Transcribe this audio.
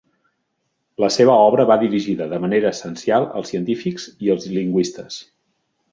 La seva obra va dirigida, de manera essencial, als científics i als lingüistes.